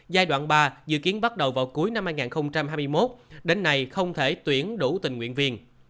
giai đoạn ba dự kiến bắt đầu vào cuối năm hai nghìn hai mươi một đến nay không thể tuyển đủ tình nguyện viên